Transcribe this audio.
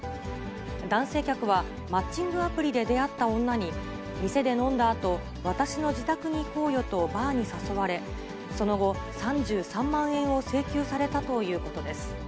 男性客は、マッチングアプリで出会った女に、店で飲んだあと、私の自宅に行こうよとバーに誘われ、その後、３３万円を請求されたということです。